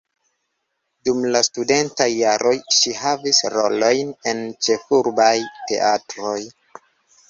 Dum la studentaj jaroj ŝi havis rolojn en ĉefurbaj teatroj.